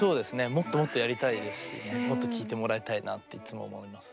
もっともっとやりたいですしもっと聴いてもらいたいなっていつも思います。